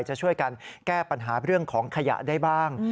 จะช่วยกันแก้ปัญหาเรื่องของขยะได้บ้าง